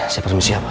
saya permisi ya bos